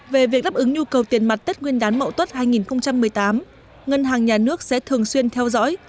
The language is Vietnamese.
về việc đáp ứng nhu cầu tiền mặt tết nguyên đán mậu tuất hai nghìn một mươi tám ngân hàng nhà nước sẽ thường xuyên theo dõi